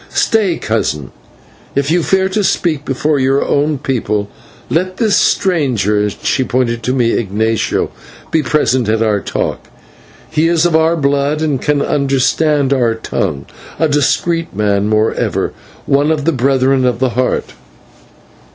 "Stay, cousin. If you fear to speak before our own people, let this stranger " and she pointed to me, Ignatio "be present at our talk. He is of our blood, and can understand our tongue, a discreet man, moreover, one of the Brethren of the Heart."